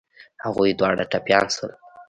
هغوی دواړه ټپيان شول.